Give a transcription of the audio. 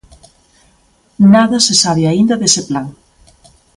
Nada se sabe aínda dese plan.